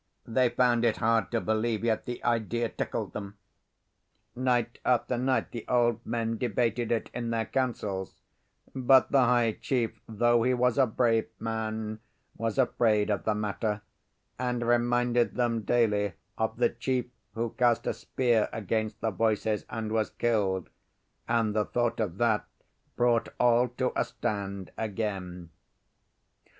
They found it hard to believe, yet the idea tickled them. Night after night the old men debated it in their councils, but the high chief (though he was a brave man) was afraid of the matter, and reminded them daily of the chief who cast a spear against the voices and was killed, and the thought of that brought all to a stand again.